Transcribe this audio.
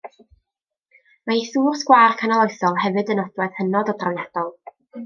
Mae ei thŵr sgwâr canoloesol hefyd yn nodwedd hynod o drawiadol.